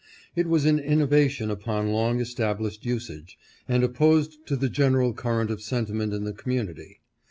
It was an innovation upon long established usage, and opposed to the general current of sentiment in the community.